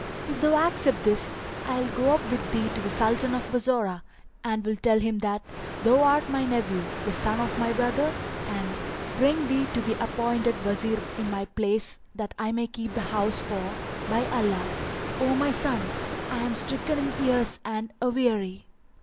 If thou accept this, I will go up with thee to the Sultan of Bassorah [FN#380] and will tell him that thou art my nephew, the son of my brother, and bring thee to be appointed Wazir in my place that I may keep the house for, by Allah, O my son, I am stricken in years and aweary."